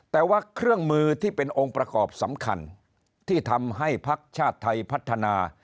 แต่ว่าเครื่องมือที่เป็นองค์ประกอบสำคัญที่ทำให้ภักดิ์ชาติไทยพัฒนา